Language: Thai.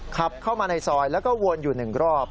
ขับเข้ามาในซอยแล้วก็วนอยู่๑รอบ